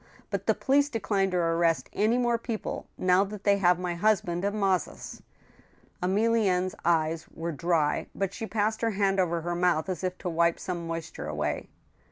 ... But the police decline to arreat any more people, now that they h&ve my husband at Mazas." Emilienne's eyes were dry, but she passed her hand over her mouth as if to wipe some moisture away.